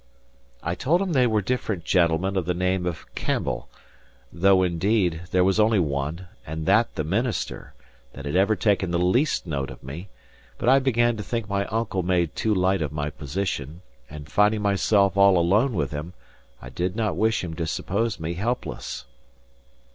I told him they were different gentlemen of the name of Campbell; though, indeed, there was only one, and that the minister, that had ever taken the least note of me; but I began to think my uncle made too light of my position, and finding myself all alone with him, I did not wish him to suppose me helpless.